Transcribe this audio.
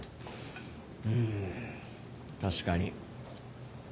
うん確かに。